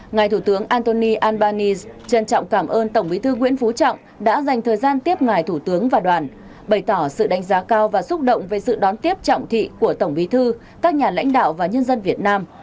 ngài thủ tướng antoni albanese trân trọng cảm ơn tổng bí thư nguyễn phú trọng đã dành thời gian tiếp ngài thủ tướng và đoàn bày tỏ sự đánh giá cao và xúc động về sự đón tiếp trọng thị của tổng bí thư các nhà lãnh đạo và nhân dân việt nam